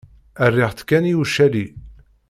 Rriɣ-tt kan i ucali.